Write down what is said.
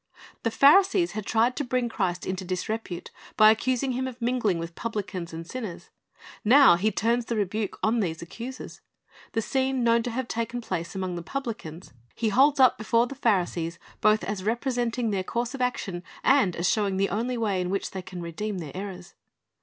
The Pharisees had tried to bring Christ into disrepute by accusing Him of mingling with publicans and sinners. Now He turns the rebuke on these accusers. The scene known to have taken place among the publicans, He holds up before the Pharisees, both as representing their course of action, and as showing the only way in which they can redeem their errors.